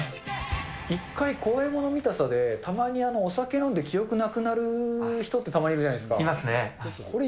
１回怖いもの見たさで、たまにお酒飲んで記憶なくなる人って、たまにいるじゃないですか。